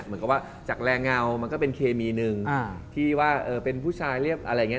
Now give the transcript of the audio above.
เหมือนกับว่าจากแรงเงามันก็เป็นเคมีหนึ่งที่ว่าเป็นผู้ชายเรียบอะไรอย่างนี้